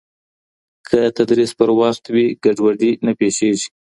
که تدریس پر وخت وي، ګډوډي نه پېښېږي.